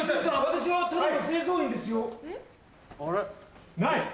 私はただの清掃員ですよ。